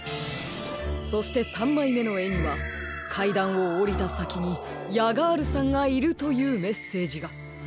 そして３まいめのえにはかいだんをおりたさきにヤガールさんがいるというメッセージが。